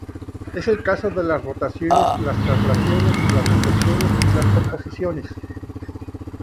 Es el caso de las rotaciones, las traslaciones, las reflexiones y las composiciones.